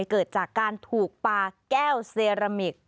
เกิดจากการถูกปลาแก้วเซรามิก